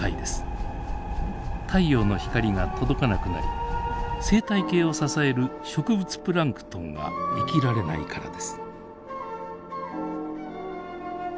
太陽の光が届かなくなり生態系を支える植物プランクトンが生きられないからです。